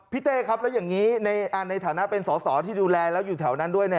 เต้ครับแล้วอย่างนี้ในฐานะเป็นสอสอที่ดูแลแล้วอยู่แถวนั้นด้วย